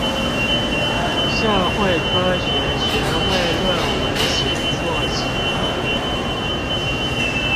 社會科學學位論文寫作指南